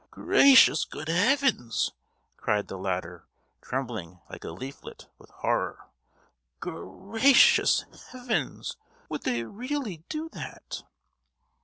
"Gracious heavens!" cried the latter, trembling like a leaflet with horror. "Gra—cious heavens! would they really do that?"